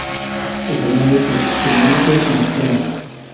غئما ایقئس کیݖیمناشۂ کی مئسلئن